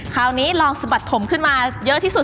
คราวนี้ลองสะบัดถมขึ้นมาเยอะที่สุด